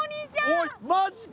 おいマジか！？